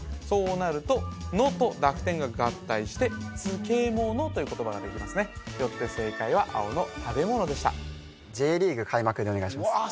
そうなると「ノ」と濁点が合体して「ツケモノ」という言葉ができますねよって正解は青の食べ物でした「Ｊリーグ」開幕でお願いします